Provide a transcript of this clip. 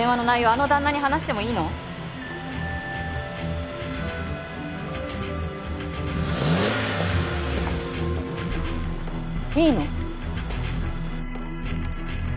あの旦那に話してもいいの？いいの？